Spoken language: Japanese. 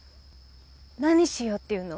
何しようっていうの？